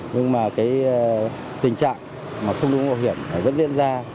nhưng mà cái tình trạng không đổi mũ bảo hiểm vẫn diễn ra